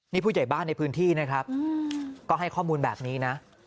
นี่ผู้ใหญ่บ้านในพื้นที่แบบนี้นะ